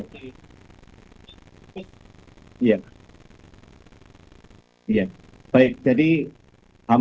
mungkin kepolisian forest batang adam maxim